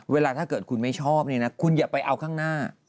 เวลาถ้าเกิดคุณไม่ชอบเนี่ยนะคุณอย่าไปเอาข้างหน้า